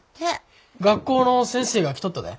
学校の先生が着とったで。